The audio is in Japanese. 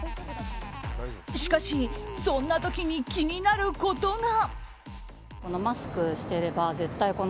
しかし、そんな時に気になることが。